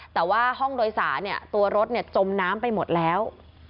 แต่ว่าห้องโดยสารตัวรถจมน้ำไปหมดแล้ว